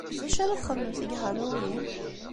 D acu ara txedmemt deg Halloween?